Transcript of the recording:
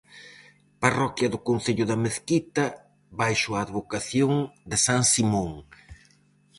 Parroquia do concello da Mezquita baixo a advocación de san Simón.